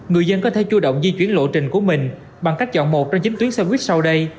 người dân có thể chua động di chuyển lộ trình của mình bằng cách dọn một trong chín tuyến xe buýt sau đây